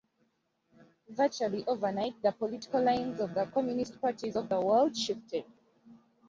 Virtually overnight the political lines of the Communist parties of the world shifted.